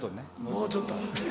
もうちょっと。